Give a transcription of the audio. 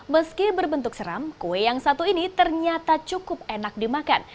meski berbentuk seram kue yang satu ini ternyata cukup enak dimakan